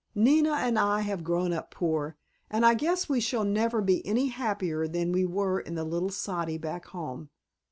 Nina and I have grown up poor, and I guess we shall never be any happier than we were in the little soddy back home.